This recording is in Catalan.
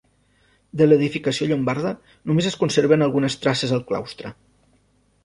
De l'edificació llombarda només es conserven algunes traces al claustre.